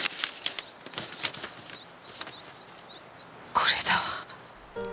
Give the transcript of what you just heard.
これだわ。